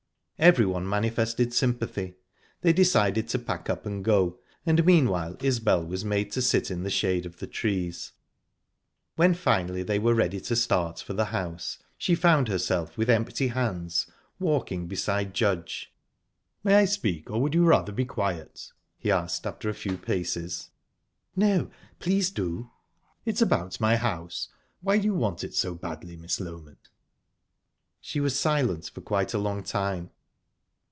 Everyone manifested sympathy. They decided to pack up and go, and meanwhile Isbel was made to sit in the shade of the trees. When finally they were ready to start for the house, she found herself with empty hands, walking beside Judge. "May I speak, or would you rather be quiet?" he asked, after a few paces. "No; please do." "It's about my house. Why do you want it so badly, Miss Loment?" She was silent for quite a long time.